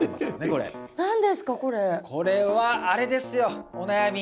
これはあれですよお悩み。